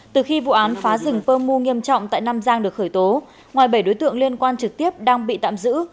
từ khi vụ án phá rừng pơ mu nghiêm trọng tại nam giang được khởi tố ngoài bảy đối tượng liên quan trực tiếp đang bị tạm giữ